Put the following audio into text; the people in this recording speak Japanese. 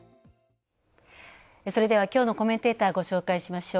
それでは、きょうのコメンテーターをご紹介しましょう。